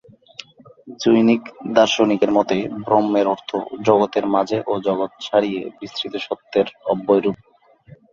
জনৈক দার্শনিকের মতে ব্রহ্মের অর্থ "জগতের মাঝে ও জগৎ ছাড়িয়ে বিস্তৃত সত্যের অব্যয় রূপ"।